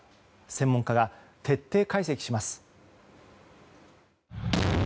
専門家が徹底解析します。